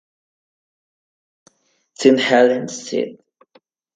Helens, St Helens, St.